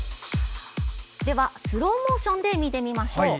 では、スローモーションで見てみましょう。